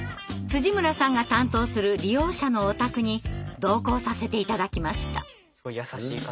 村さんが担当する利用者のお宅に同行させて頂きました。